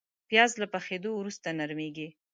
پیاز له پخېدو وروسته نرمېږي